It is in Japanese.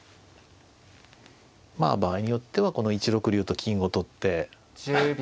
まあ場合によってはこの１六竜と金を取って。